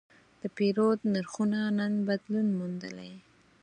د پیرود نرخونه نن بدلون موندلی.